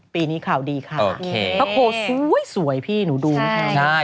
ปีนี้ข่าวดีค่ะพระโครสวยพี่หนูดูนะครับใช่ใช่